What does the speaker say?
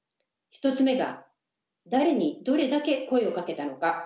１つ目が「誰にどれだけ声をかけたのか」。